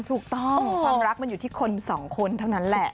ถูกต้องความรักมันอยู่ที่คนสองคนเท่านั้นแหละ